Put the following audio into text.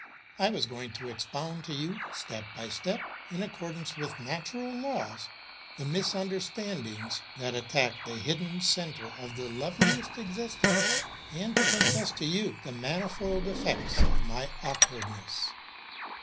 I was going to expound to you, step by step, in accordance with natural laws, the misunderstandings that attack the hidden centre of the loveliest existence, and to confess to you the manifold effects of my awkwardness.